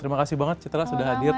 terima kasih banget citra sudah hadir